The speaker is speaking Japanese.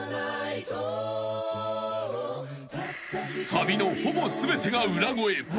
［サビのほぼ全てが裏声］